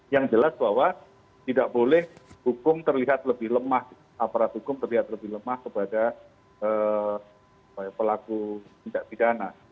yang jelas bahwa tidak boleh hukum terlihat lebih lemah aparat hukum terlihat lebih lemah kepada pelaku tindak pidana